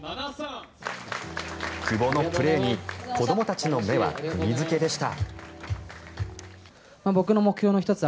久保のプレーに子どもたちの目は釘付けでした。